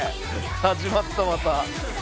始まったまた。